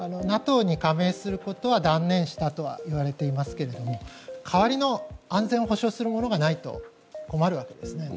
ＮＡＴＯに加盟することは断念したといわれていますが代わりの安全を保障するものがないと困るわけです。